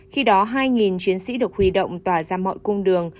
khi đó hai chiến sĩ được huy động tỏa ra mọi cung đường